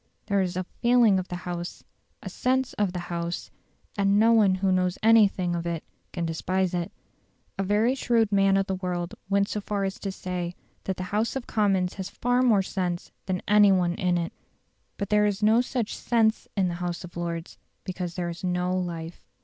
There is a "feeling of the House," a "sense" of the House, and no one who knows anything of it can despise it. A very shrewd man of the world went so far as to say that "the House of Commons has more sense than any one in it". But there is no such "sense" in the House of Lords, because there is no life.